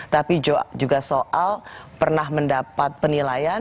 tapi juga soal pernah mendapat penilaian